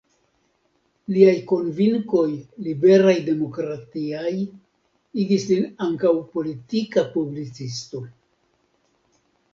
Liaj konvinkoj liberalaj-demokratiaj igis lin ankaŭ politika publicisto.